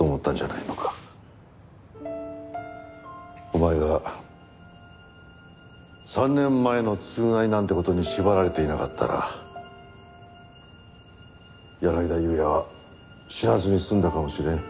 お前が３年前の償いなんて事に縛られていなかったら柳田裕也は死なずに済んだかもしれん。